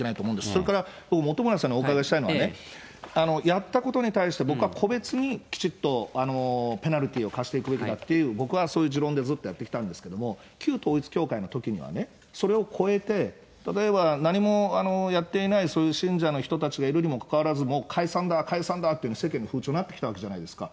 それから僕、本村さんにお伺いしたいのはね、やったことに対して僕は個別にきちっとペナルティーを科していくべきだっていう、僕はそういう持論でずっとやってきたんですけども、旧統一教会のときには、それを超えて、例えば何もやっていないそういう信者の人たちがいるにもかかわらず、もう解散だ、解散だっていうのが世間の風潮、なってきたわけじゃないですか。